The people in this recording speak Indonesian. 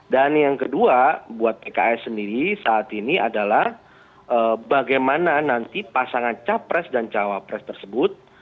dan yang kedua buat pks sendiri saat ini adalah bagaimana nanti pasangan capres dan cawapres tersebut